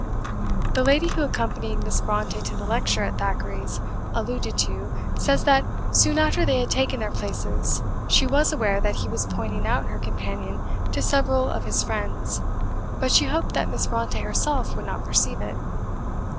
The lady, who accompanied Miss Brontë to the lecture at Thackeray's alluded to, says that, soon after they had taken their places, she was aware that he was pointing out her companion to several of his friends, but she hoped that Miss Brontë herself would not perceive it.